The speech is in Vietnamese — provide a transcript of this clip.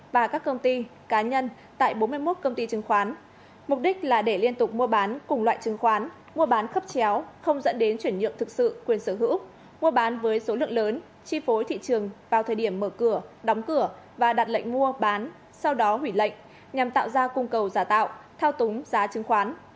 và các công ty cá nhân tại bốn mươi một công ty chứng khoán mục đích là để liên tục mua bán cùng loại chứng khoán mua bán khấp chéo không dẫn đến chuyển nhượng thực sự quyền sở hữu mua bán với số lượng lớn chi phối thị trường vào thời điểm mở cửa đóng cửa và đặt lệnh mua bán sau đó hủy lệnh nhằm tạo ra cung cầu giả tạo thao túng giá chứng khoán